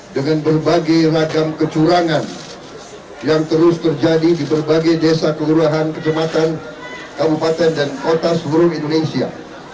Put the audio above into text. dengan berbagai ragam kecurangan yang terus terjadi di berbagai desa kelurahan kecematan kabupaten dan kota seluruh indonesia